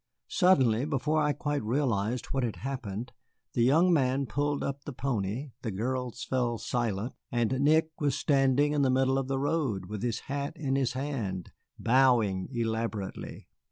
Suddenly, before I quite realized what had happened, the young man pulled up the pony, the girls fell silent, and Nick was standing in the middle of the road, with his hat in his hand, bowing elaborately.